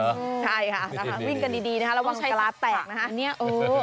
ใช่ค่ะวิ่งกันดีนะคะระวังกลาแตกนะคะ